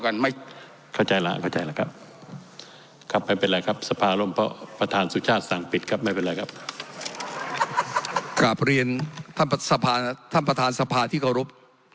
กลับเรียนท่านประธานสภาที่เคารพ